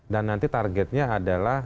dan nanti targetnya adalah